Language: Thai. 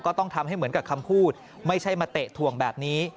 ต้องทำให้เหมือนกับคำพูดไม่ใช่มาเตะถ่วงแบบนี้